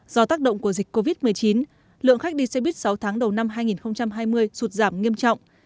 do tác động của dịch covid một mươi chín lượng khách đi xe buýt sáu tháng đầu năm hai nghìn hai mươi sụt giảm nghiêm trọng